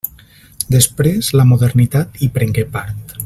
Després, la modernitat hi prengué part.